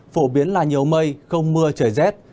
phổ biến là nhiều mây không mưa trời rét